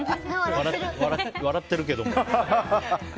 笑ってるけども。